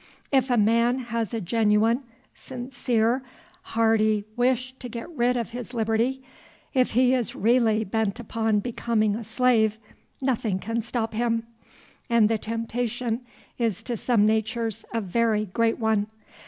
If a man has a genuine, sincere, hearty wish to get rid of his liberty, if he is really bent upon becoming a slave, nothing can stop him. And the temptation is to some natures a very great one.